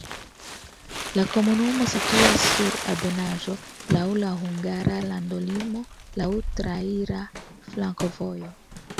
La komunumo situas sur ebenaĵo, laŭ la hungara landolimo, laŭ traira flankovojo.